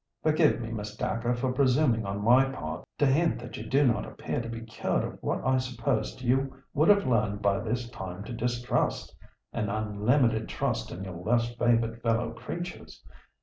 "Forgive me, Miss Dacre, for presuming on my part to hint that you do not appear to be cured of what I supposed you would have learned by this time to distrust—an unlimited trust in your less favoured fellow creatures.